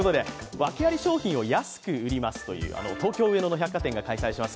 訳あり商品を安く売りますという東京・上野の百貨店が開催します